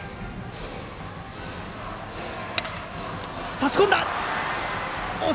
差し込んだ。